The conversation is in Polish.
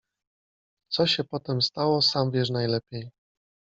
Co się potem stało, sam wiesz najlepiej.